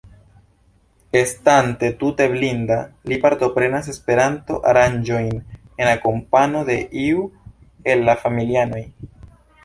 Estante tute blinda, li partoprenas Esperanto-aranĝojn en akompano de iu el la familianoj.